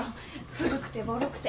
古くてボロくて。